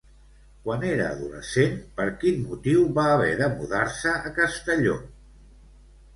Quan era adolescent, per quin motiu va haver de mudar-se a Castelló?